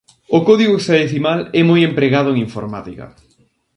O código hexadecimal é moi empregado en informática.